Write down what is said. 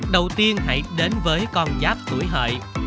đầu tiên hãy đến với con giáp tuổi hợi